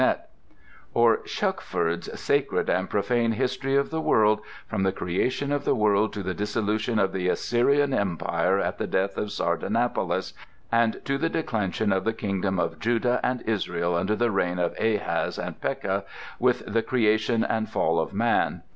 net" or "Shuckford's Sacred and Profane History of the World, from the Creation of the World to the Dissolution of the Assyrian Empire at the death of Sardanapalus, and to the Declension of The Kingdom of Judah and Israel under the Reigns of Ahaz and Pekah, with the Creation and Fall of Man.